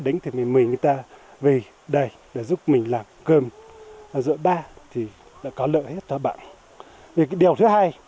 đánh thì mình người ta vì đây là giúp mình làm cơm rượu đá thì đã có lợi hết đó bạn vì điều thứ hai